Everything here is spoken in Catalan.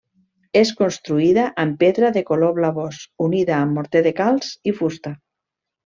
És construïda amb pedra de color blavós unida amb morter de calç i fusta.